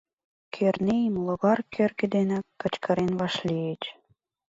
Кӧрнеим логар кӧргӧ денак кычкырен вашлийыч.